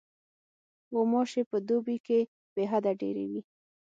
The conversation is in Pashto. غوماشې په دوبي کې بېحده ډېرې وي.